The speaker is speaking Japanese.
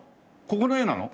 ここの絵なの？